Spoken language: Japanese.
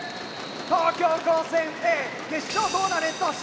東京高専Ａ決勝トーナメント進出！